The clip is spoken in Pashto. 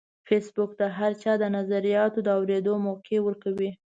فېسبوک د هر چا د نظریاتو د اورېدو موقع ورکوي